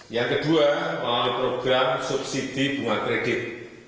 yang kedua program subsidi bunga kredit